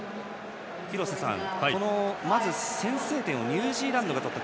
廣瀬さん、まず先制点をニュージーランドが取った。